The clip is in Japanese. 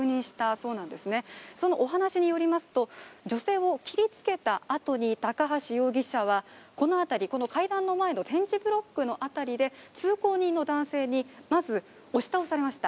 そのお話によりますと、女性を切りつけた後に高橋容疑者はこの辺りこの階段の前の点字ブロックのあたりで、通行人の男性に、まず押し倒されました。